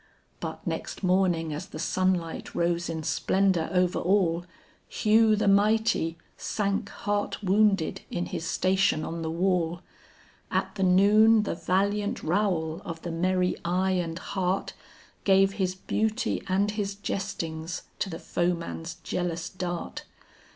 But next morning as the sunlight rose in splendor over all, Hugh the mighty, sank heart wounded in his station on the wall, At the noon the valiant Raoul of the merry eye and heart, Gave his beauty and his jestings to the foeman's jealous dart.